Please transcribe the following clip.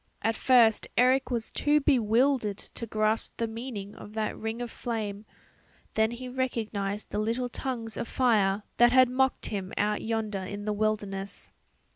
At first Eric was too bewildered to grasp the meaning of that ring of flame; then he recognized the little tongues of fire that had mocked him out yonder in the wilderness.